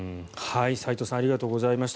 齋藤さんありがとうございました。